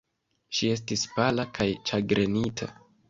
Ŝi estis pala kaj ĉagrenita.